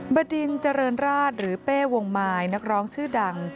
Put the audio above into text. บดินเจริญราชหรือเป้วงมายนักร้องชื่อดัง